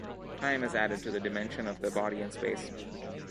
Time is added to the dimension of the body and space.